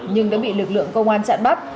nhưng đã bị lực lượng công an chặn bắt